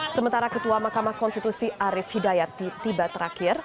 sementara ketua mahkamah konstitusi arief hidayati tiba terakhir